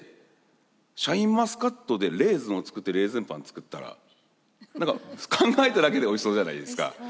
シャインマスカットでレーズンを作ってレーズンパン作ったら何か考えただけでおいしそうじゃないですか。